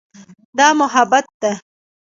دا محبت ده.